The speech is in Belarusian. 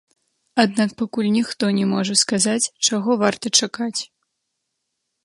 Аднак пакуль ніхто не можа сказаць, чаго варта чакаць.